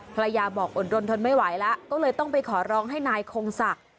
ภรรยาบอกอดรนทนไม่ไหวแล้วก็เลยต้องไปขอร้องให้นายคงศักดิ์